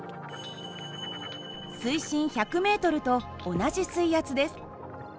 水深１００ｍと同じ水圧です。